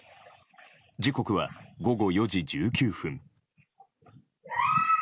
時刻は午後４時１９分。